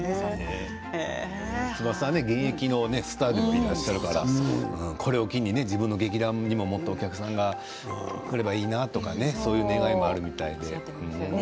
翼さんは現役のスターでもいらっしゃるからこれを機に自分の劇団にもお客さんが来ればいいなという願いもあるでしょうね。